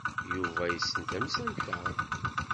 Yuba yessen tamsalt-a.